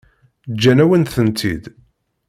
Ǧǧan-awen-tent-id.